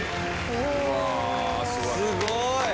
うわすごい。